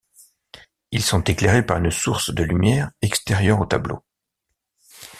Ils sont éclairés par une source de lumière extérieure au tableau.